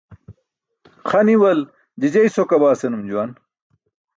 Xa niwal "jijey sokabaa" senum juwan.